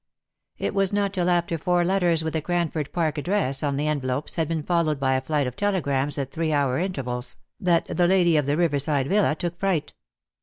It was not till after four letters with the Cranford Park address on the envelopes had been followed by a flight of telegrams at three hour intervals, that the lady of the river side villa took fright.